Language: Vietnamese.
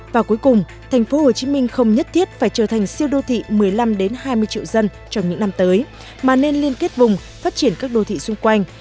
và cuối cùng tp hcm không nhất thiết phải trở thành siêu đô thị một mươi năm hai mươi triệu dân trong những năm tới mà nên liên kết vùng phát triển các đô thị xung quanh